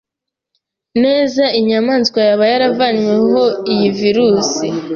neza inyamaswa yaba yaravanyweho iyi virus